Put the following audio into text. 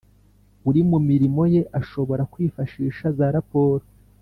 uri mu mirimo ye ashobora kwifashisha za raporo